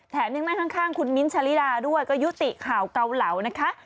ยังนั่งข้างคุณมิ้นท์ชาลิดาด้วยก็ยุติข่าวเกาเหลานะคะ